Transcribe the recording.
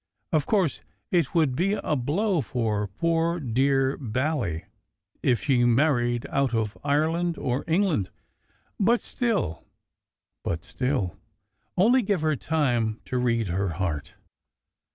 Of course it would be a blow for poor, dear Bally if she married out of Ireland or England, but still but still only give her time to read her heart.